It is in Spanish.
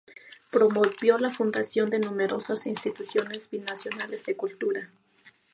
Promovió la fundación de numerosas instituciones binacionales de cultura.